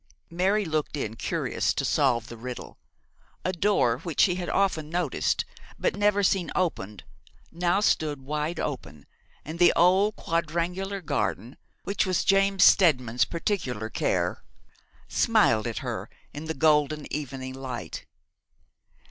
Mary looked in, curious to solve the riddle. A door which she had often noticed, but never seen opened, now stood wide open, and the old quadrangular garden, which was James Steadman's particular care, smiled at her in the golden evening light.